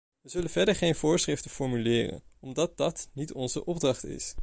We zullen verder geen voorschriften formuleren, omdat dat niet onze opdracht is.